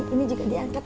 ini juga diangkat